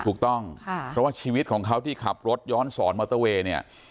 ถูกต้องเพราะว่าชีวิตของเขาที่ขับรถย้อนสอนมอเตอร์เวย์เนี่ย